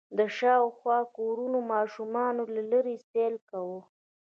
د شاوخوا کورونو ماشومانو له لېرې سيل کوه.